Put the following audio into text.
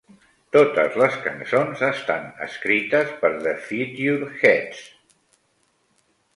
Totes les cançons estan escrites per The Futureheads.